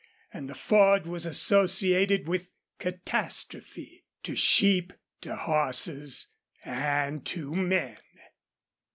And the ford was associated with catastrophe to sheep, to horses and to men.